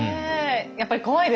やっぱり怖いですよね。